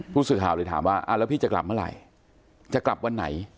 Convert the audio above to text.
ผู้สื่อข่าวเลยถามว่าแล้วพี่จะกลับเมื่อไหร่จะกลับวันไหน